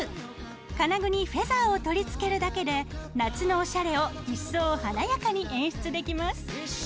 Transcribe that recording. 金具にフェザーを取りつけるだけで夏のオシャレを一層華やかに演出できます。